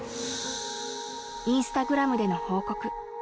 インスタグラムでの報告